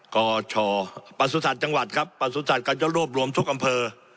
กชประสุทธิ์จังหวัดครับประสุทธิ์ก็จะรวบรวมทุกอำเภอ